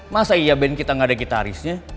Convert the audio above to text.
masa iya band kita gak ada gitarisnya